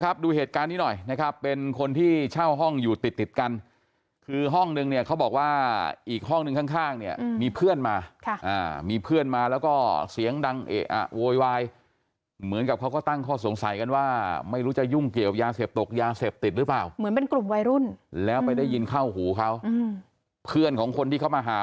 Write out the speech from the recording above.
ดูเหตุการณ์นี้หน่อยนะครับเป็นคนที่เช่าห้องอยู่ติดติดกันคือห้องนึงเนี่ยเขาบอกว่าอีกห้องหนึ่งข้างข้างเนี่ยมีเพื่อนมามีเพื่อนมาแล้วก็เสียงดังเอะอะโวยวายเหมือนกับเขาก็ตั้งข้อสงสัยกันว่าไม่รู้จะยุ่งเกี่ยวยาเสพตกยาเสพติดหรือเปล่าเหมือนเป็นกลุ่มวัยรุ่นแล้วไปได้ยินเข้าหูเขาเพื่อนของคนที่เขามาหา